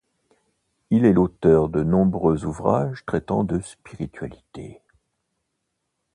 Il est l'auteur de nombreux ouvrages traitant de spiritualité.